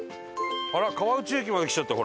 あらっ川内駅まで来ちゃった。